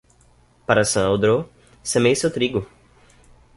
Para Sant Andreu, semeie seu trigo.